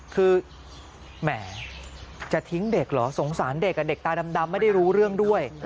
คือแหมจะทิ้งเด็กเหรอสงสารเด็กเด็กตาดำไม่ได้รู้เรื่องด้วย